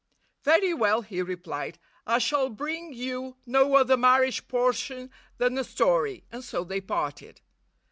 "Very well," he replied; "I shall bring you no other marriage portion than a story," and so they parted.